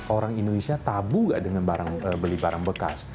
orang indonesia tabu gak dengan beli barang bekas